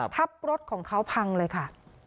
ทับรถของเขาพังเลยค่ะ